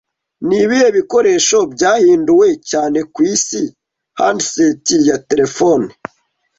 Nibihe bikoresho byahinduwe cyane kwisi Handset ya Terefone